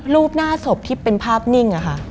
รูปหน้าศพที่เป็นภาพนิ่งอะค่ะ